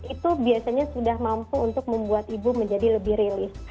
itu biasanya sudah mampu untuk membuat ibu menjadi lebih rilis